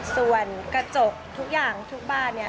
ส่วนกระจกทุกอย่างทุกบ้านเนี่ย